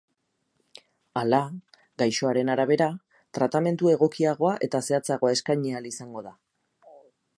Hala, gaixoaren arabera, tratamendu egokiagoa eta zehatzagoa eskaini ahal izango da.